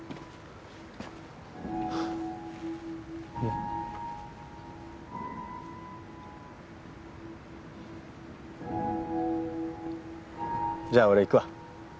んっ。じゃあ俺行くわ。